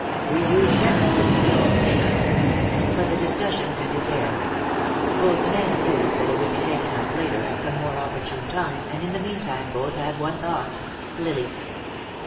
"We use chemists in the mills." But the discussion ended there. Both men knew that it would be taken up later, at some more opportune time, and in the meantime both had one thought, Lily.